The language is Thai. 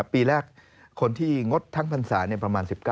ปีแรกคนที่งดทั้งพรรษาประมาณ๑๙